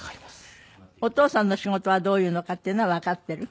お父さんの仕事はどういうのかっていうのはわかってる？